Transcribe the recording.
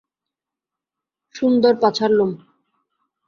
সুন্দর পাছার লোম।